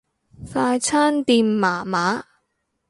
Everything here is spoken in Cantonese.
快餐店麻麻